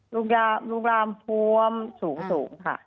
รูปร่างท้วมสูงค่ะ